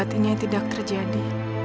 apa yang terjadi